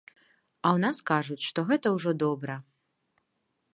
А ў нас кажуць, што гэта ўжо добра.